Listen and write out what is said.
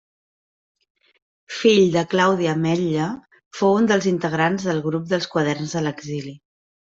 Fill de Claudi Ametlla, fou un dels integrants del grup dels Quaderns de l'exili.